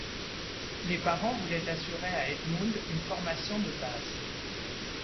Les parents voulaient assurer à Edmund une formation de base.